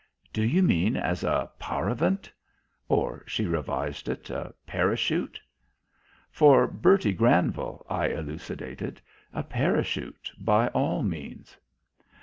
"Do you mean as a paravent? Or," she revised it, "a parachute?" "For Bertie Granville," I elucidated. "A parachute, by all means."